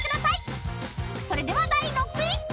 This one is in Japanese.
［それでは第６位］